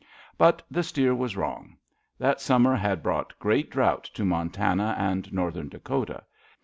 But the steer was wrong. That summer had brought great drought to Montana and Northern Dakota.